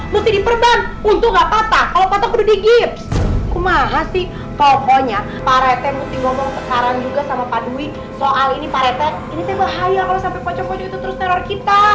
musti diperban untuk nggak patah kalau patah kedudik gips kumaha sih pokoknya parete musti